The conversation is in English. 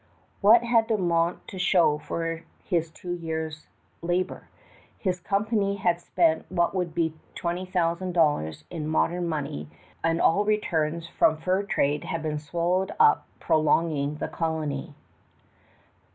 What had De Monts to show for his two years' labor? His company had spent what would be $20,000 in modern money, and all returns from fur trade had been swallowed up prolonging the colony.